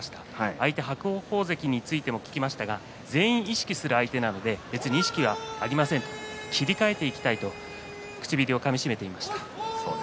相手、伯桜鵬関についても聞きましたが全員意識する相手なので別に意識はありません切り替えていきたいと唇をかみしめていました。